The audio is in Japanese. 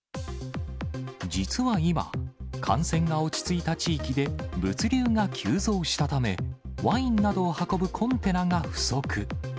実は今、感染が落ち着いた地域で物流が急増したため、ワインなどを運ぶコンテナが不足。